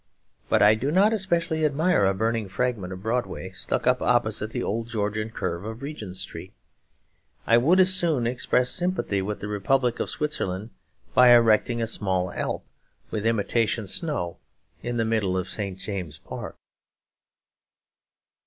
But I do not especially admire a burning fragment of Broadway stuck up opposite the old Georgian curve of Regent Street. I would as soon express sympathy with the Republic of Switzerland by erecting a small Alp, with imitation snow, in the middle of St. James's Park.